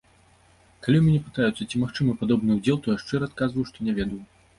Калі мяне пытаюцца, ці магчымы падобны ўдзел, то я шчыра адказваю, што не ведаю.